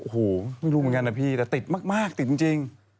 โอ้โหไม่รู้เหมือนกันนะพี่แต่ติดมากติดจริง